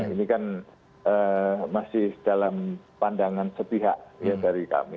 ini kan masih dalam pandangan setihak ya dari kami